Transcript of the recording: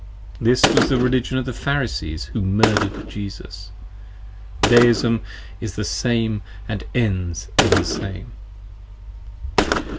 This was the Religion of the Pharisees who murder'd Jesus. Deism is the same & ends in the same.